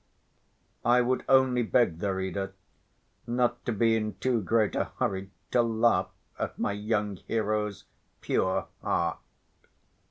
I would only beg the reader not to be in too great a hurry to laugh at my young hero's pure heart.